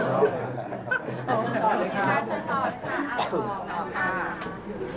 ขอบคุณพี่ด้วยนะครับ